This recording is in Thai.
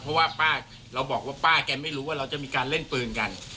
เพราะว่าป้าเราบอกว่าป้าแกไม่รู้ว่าเราจะมีการเล่นปืนกัน